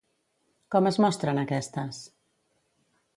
Com es mostra en aquestes?